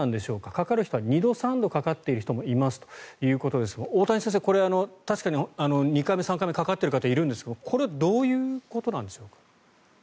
かかる人は２度３度かかっている人もいますということですが大谷先生、これは確かに２回目、３回目かかっている人がいるんですがこれどういうことなんでしょう。